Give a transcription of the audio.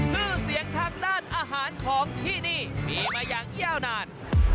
ชื่อเสียงทางด้านอาหารของที่นี่มีมาอย่างยาวนาน